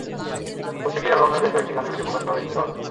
খুব শিগগির অ্যালবামের বেশ কয়েকটি গানের ভিডিও প্রকাশ করার ইচ্ছাও আছে।